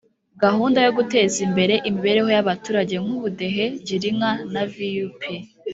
gahunda zo guteza imbere imibereho y’abaturage nk’ubudehe, girinka na vup